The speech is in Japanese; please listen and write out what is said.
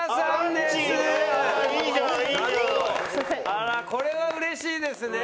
あらこれはうれしいですね。